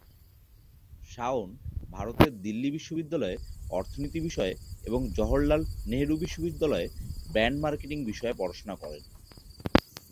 শাওন ভারতের দিল্লি বিশ্ববিদ্যালয়ে অর্থনীতি বিষয়ে এবং জওহরলাল নেহরু বিশ্ববিদ্যালয়ে ব্র্যান্ড মার্কেটিং বিষয়ে পড়াশোনা করেন।